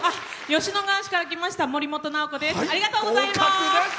吉野川市から来ましたもりもとです。